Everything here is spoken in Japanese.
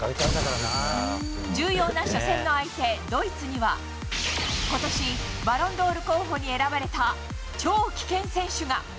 重要な初戦の相手、ドイツにはことし、バロンドール候補に選ばれた超危険選手が。